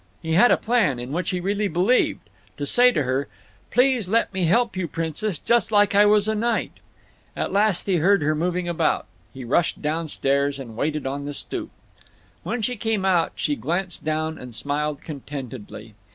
He had a plan, in which he really believed, to say to her, "Please let me help you, princess, jus' like I was a knight." At last he heard her moving about. He rushed downstairs and waited on the stoop. When she came out she glanced down and smiled contentedly.